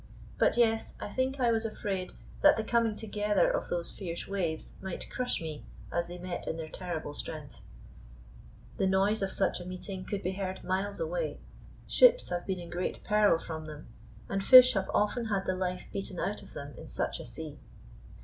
But yes, I think I was afraid that the coming together of those fierce waves might crush me as they met in their terrible strength. The noise of such a meeting could be heard miles away. Ships have been in great peril from them, and fish have often had the life beaten out of them in such a sea.